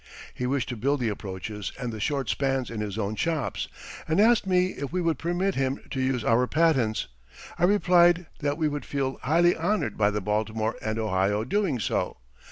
He wished to build the approaches and the short spans in his own shops, and asked me if we would permit him to use our patents. I replied that we would feel highly honored by the Baltimore and Ohio doing so.